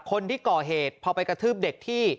คนที่ก่อเหตุพอไปกระทืบเด็กที่